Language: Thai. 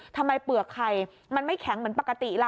เปลือกไข่มันไม่แข็งเหมือนปกติล่ะ